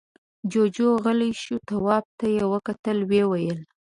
جُوجُو غلی شو، تواب ته يې وکتل، ويې ويل: